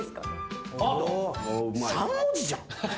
３文字じゃん！